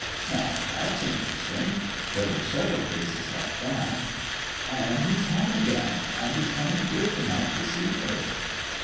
'Now that's interesting! There were several cases like that.' 'And he's home again; and he's coming here to night to see her.'